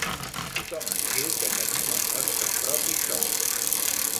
Tothom ens diu que tenim el nostre propi so.